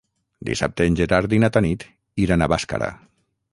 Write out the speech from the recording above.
Dissabte en Gerard i na Tanit iran a Bàscara.